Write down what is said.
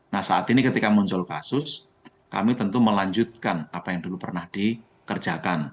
nah saat ini ketika muncul kasus kami tentu melanjutkan apa yang dulu pernah dikerjakan